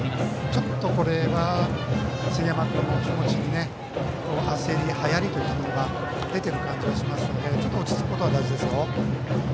ちょっと、これは杉山君も気持ちに焦り、はやりといったものが出ている感じがしますので落ち着くことが大事です。